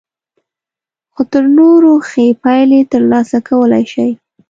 خو تر نورو ښې پايلې ترلاسه کولای شئ.